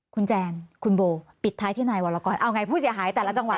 คุณแจงคุณโบปิดท้ายที่นายวรกรเอาไงผู้เสียหายแต่ละจังหวัด